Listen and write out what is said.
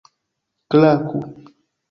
klaku